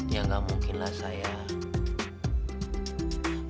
ya gak mungkin lah sayang